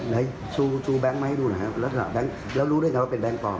ให้ซูแบงค์มาให้ดูหน่อยครับแล้วรู้ได้ยังไงว่าเป็นแบงค์ปลอม